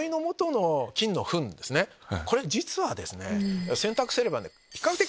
これ実はですね。